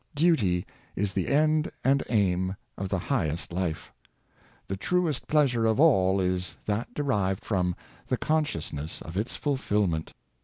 Duty is the end and aim of the highest life; the truest pleasure of all is that derived from the consciousness of its fulfillment.